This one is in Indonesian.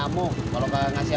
bener bener pahit ya